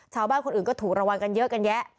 ชาวบ้านคนอื่นก็ถูกระวังกันเยอะกันแยะ